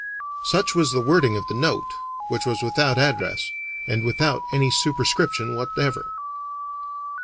Such was the wording of the note, which was without address, and without any superscription whatever.